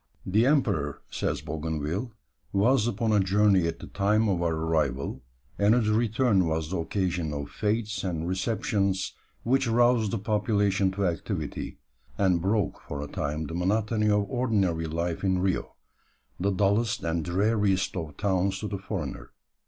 "The emperor," says Bougainville, "was upon a journey at the time of our arrival, and his return was the occasion of fêtes and receptions which roused the population to activity, and broke for a time the monotony of ordinary life in Rio, that dullest and dreariest of towns to the foreigner.